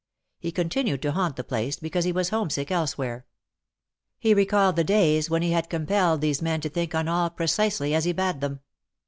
He continued to haunt the place because he was homesick elsewhere. He recalled the days, when he had compelled these men to think on all precisely as he bade them.